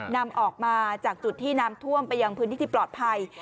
นำออกมาจากจุดที่น้ำท่วมไปยังพื้นที่ที่ปลอดภัย